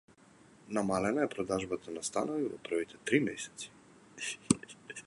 Намалена е продажбата на станови во првите три месеци